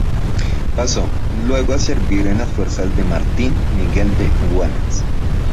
Pasó luego a servir en las fuerzas de Martín Miguel de Güemes.